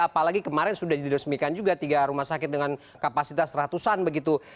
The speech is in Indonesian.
apalagi kemarin sudah diresmikan juga tiga rumah sakit dengan kapasitas ratusan begitu